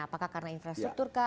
apakah karena infrastruktur kah